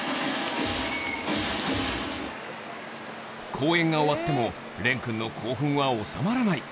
公演が終わっても錬くんの興奮は収まらない